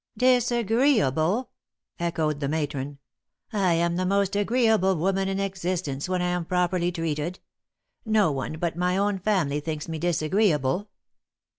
"Disagreeable?" echoed the matron. "I am the most agreeable woman in existence when I am properly treated. No one but my own family thinks me disagreeable."